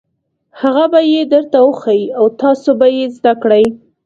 هغه به یې درته وښيي او تاسو به یې زده کړئ.